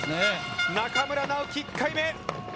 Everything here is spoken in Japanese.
中村直幹、１回目。